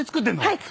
はい。